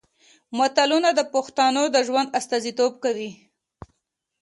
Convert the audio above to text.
متلونه د پښتنو د ژوند استازیتوب کوي